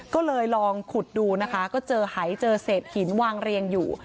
ก็เลยลองขุดดูนะคะก็เจอหายเจอเศษหินวางเรียงอยู่